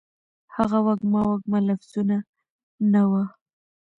هغه وږمه، وږمه لفظونه ، نه وه